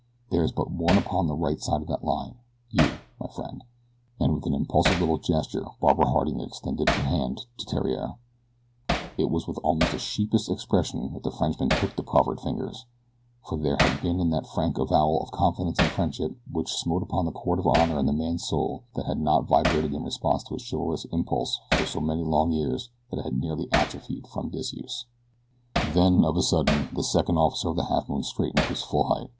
There is but one upon the right side of that line you, my friend," and with an impulsive little gesture Barbara Harding extended her hand to Theriere. It was with almost a sheepish expression that the Frenchman took the proffered fingers, for there had been that in the frank avowal of confidence and friendship which smote upon a chord of honor in the man's soul that had not vibrated in response to a chivalrous impulse for so many long years that it had near atrophied from disuse. Then, of a sudden, the second officer of the Halfmoon straightened to his full height.